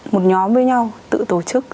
một nhóm với nhau tự tổ chức